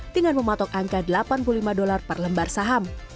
dengan mematok angka delapan puluh lima dolar per lembar saham